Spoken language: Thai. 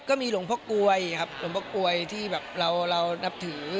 ก็มีหลวงพ่อกลวยครับหลวงพ่อกลวยที่แบบเรานับถือ